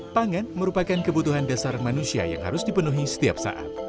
pangan merupakan kebutuhan dasar manusia yang harus dipenuhi setiap saat